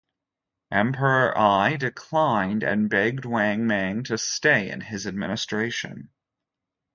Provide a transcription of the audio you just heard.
Emperor Ai declined and begged Wang Mang to stay in his administration.